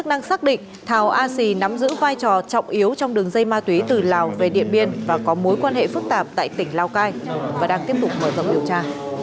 a xì nắm giữ vai trò trọng yếu trong đường dây ma túy từ lào về điện biên và có mối quan hệ phức tạp tại tỉnh lào cai và đang tiếp tục mở rộng điều tra